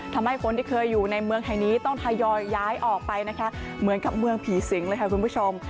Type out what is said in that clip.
ทำให้คนที่เคยอยู่ในเมืองแห่งนี้ต้องทยอยย้ายออกไปนะคะเหมือนกับเมืองผีสิงเลยค่ะคุณผู้ชม